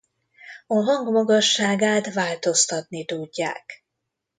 A hang magasságát változtatni tudják.